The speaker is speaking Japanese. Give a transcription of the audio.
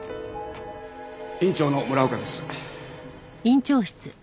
院長の村岡です。